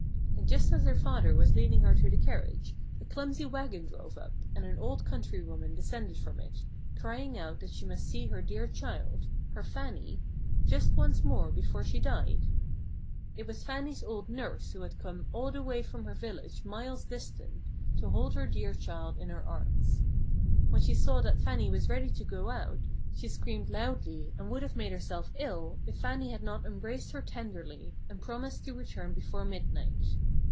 And just as her father was leading her to the carriage, a clumsy wagon drove up, and an old countrywoman descended from it, crying out that she must see her dear child her Fannie just once more before she died. It was Fannie's old nurse who had come all the way from her village miles distant to hold her dear child in her arms. When she saw that Fannie was ready to go out, she screamed loudly and would have made herself ill, if Fannie had not embraced her tenderly, and promised to return before midnight.